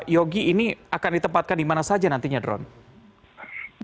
yogi ini akan ditempatkan di mana saja nantinya drone